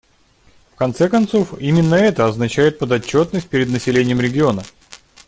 В конце концов, именно это означает подотчетность перед населением региона.